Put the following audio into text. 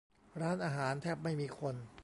ร้านอาหารแทบไม่มีคน